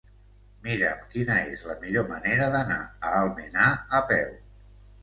Mira'm quina és la millor manera d'anar a Almenar a peu.